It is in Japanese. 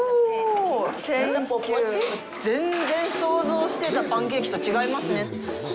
全然、想像してたパンケーキと違いますね。